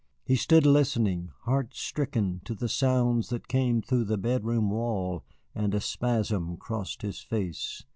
He stood listening, heart stricken, to the sounds that came through the bedroom wall, and a spasm crossed his face.